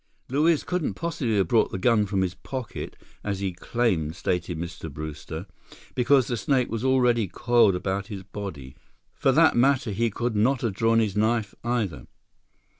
"Luiz couldn't possibly have brought the gun from his pocket, as he claimed," stated Mr. Brewster, "because the snake was already coiled about his body. For that matter, he could not have drawn his knife, either.